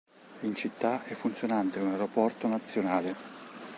In città è funzionante un aeroporto nazionale.